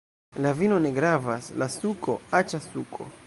La vino ne gravas! la suko! aĉa suko!